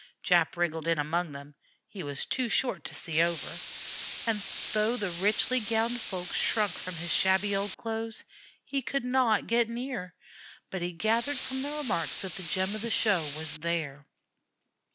Jap wriggled in among them; he was too short to see over, and though the richly gowned folks shrunk from his shabby old clothes, he could not get near; but he gathered from the remarks that the gem of the show was there.